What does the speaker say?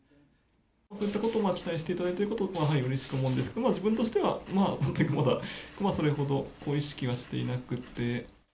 そういったことを期待していただいていることは、うれしく思うんですけど、自分としてはまだそれほど意識はしていなくて。